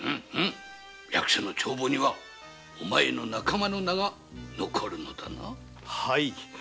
役所の帳簿にはお前の仲間の名が残るのだな？はぃ。